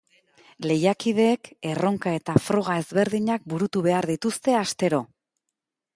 Lehiakideek erronka eta froga ezberdinak burutu behar dituzte astero.